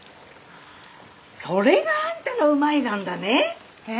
それがあんたの「うまい」なんだね！？え？